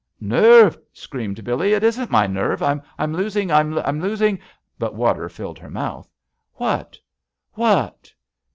"Nerve!" screamed Billee, "it isn't my nerve! — I'm losing! — I'm losing —" But water filled her mouth. "What? What?"